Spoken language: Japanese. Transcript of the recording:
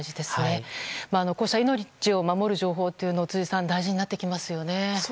こうした命を守る情報というのも辻さん、大事になってきますよね。